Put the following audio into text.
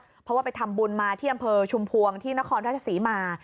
เพราะว่าไปทำบุญมาที่อำเภอชุมพวงที่นครราชศรีมา